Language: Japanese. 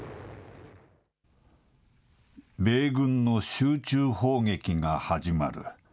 米軍の集中砲撃が始まる。